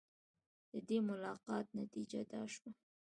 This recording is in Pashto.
د دې ملاقات نتیجه دا شوه.